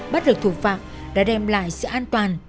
bắt được thủ phạm đã đem lại sự an toàn